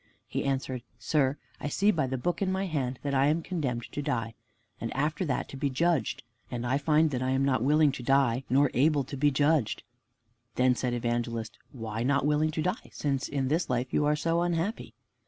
He answered, "Sir, I see by the book in my hand that I am condemned to die, and after that to be judged. And I find I am not willing to die, nor able to be judged." Then said Evangelist, "Why not willing to die, since in this life you are so unhappy?"